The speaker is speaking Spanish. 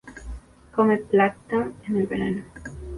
Come plancton en el verano.